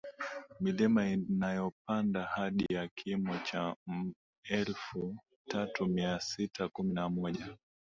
milima inayopanda hadi ya kimo cha m elfu tatu Mia sita kumi na moja